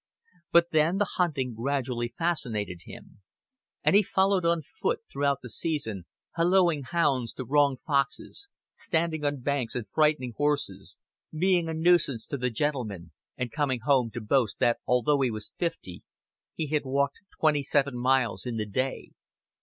But then the hunting gradually fascinated him, and he followed on foot throughout the season, halloaing hounds to wrong foxes, standing on banks and frightening horses, being a nuisance to the gentlemen, and coming home to boast that although he was fifty he had walked twenty seven miles in the day.